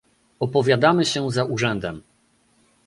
Opowiadamy się za urzędem